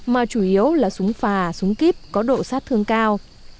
mà chủ yếu là súng pha súng kip có độ sát thương cao